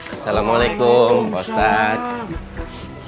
assalamualaikum pak ustadz